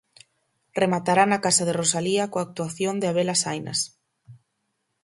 Rematará na Casa de Rosalía coa actuación de Habelas Hainas.